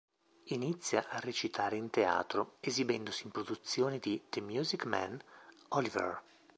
Inizia a recitare in teatro, esibendosi in produzioni di "The Music Man", "Oliver!